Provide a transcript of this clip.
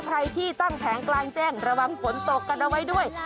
ใครที่ตั้งแผงกลางแจ้งระวังฝนตกกันเอาไว้ด้วย